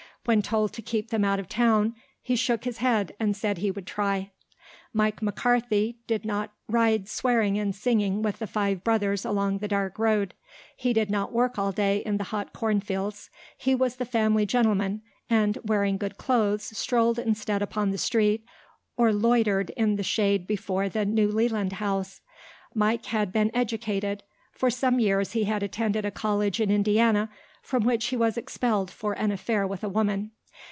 When told to keep them out of town he shook his head and said he would try. Mike McCarthy did not ride swearing and singing with the five brothers along the dark road. He did not work all day in the hot corn fields. He was the family gentleman, and, wearing good clothes, strolled instead upon the street or loitered in the shade before the New Leland House. Mike had been educated. For some years he had attended a college in Indiana from which he was expelled for an affair with a woman.